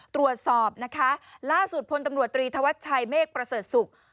ตรวจสอบนะคะล่าสุดพลตำรวจตรีธวัชชัยเมฆประเสริฐศุกร์